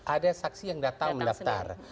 ada saksi yang datang mendaftar